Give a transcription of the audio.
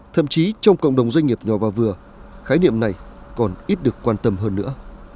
thậm chí trong cộng đồng doanh nghiệp nhỏ và vừa khái niệm này còn ít được quan tâm hơn nữa